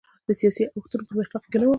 د سیاسي اوښتونونو په محراق کې نه و.